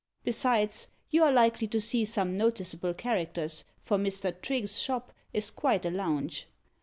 Besides, you are likely to see some noticeable characters, for Mr. Trigge's shop is quite a lounge.